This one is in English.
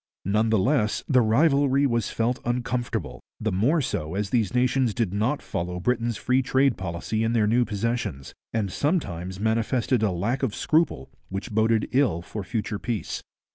None the less the rivalry was felt uncomfortable, the more so as these nations did not follow Britain's free trade policy in their new possessions, and sometimes manifested a lack of scruple which boded ill for future peace.